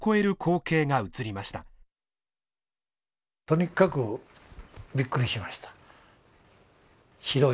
とにかくびっくりしました。